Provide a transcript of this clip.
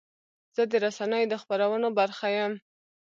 زه د رسنیو د خپرونو برخه یم.